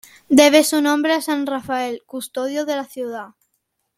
Debe su nombre a San Rafael, custodio de la ciudad.